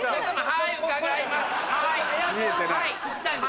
はい伺いますはい。